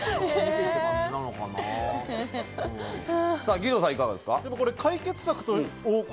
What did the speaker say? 義堂さん、いかがですか？